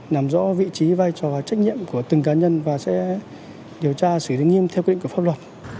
làm rõ vị trí vai trò trách nhiệm của từng cá nhân và sẽ điều tra xử lý nghiêm theo quy định của pháp luật